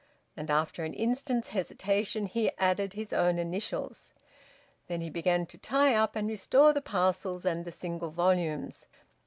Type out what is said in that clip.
And after an instant's hesitation he added his own initials. Then he began to tie up and restore the parcels and the single volumes.